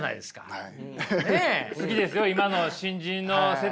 はい。